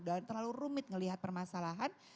dan terlalu rumit ngelihat permasalahan